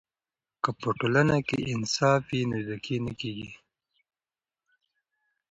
که په ټولنه کې انصاف وي، نو دوکې نه وي.